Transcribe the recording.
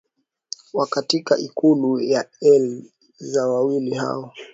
wa katika ikulu ya el ze wawili hao